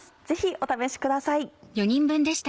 ぜひお試しください。